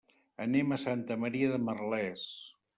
Anem a Santa Maria de Merlès.